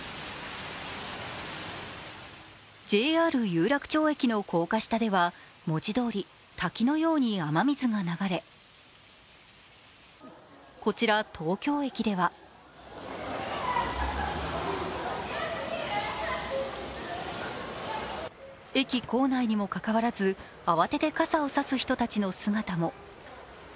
ＪＲ有楽町駅の高架下では、文字どおり滝のように雨水が流れ、こちら東京駅では駅構内にもかかわらず慌てて傘を差す人たちの姿も。